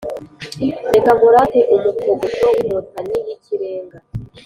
Reka nkurate umukogoto w'Inkotanyi y'ikirenga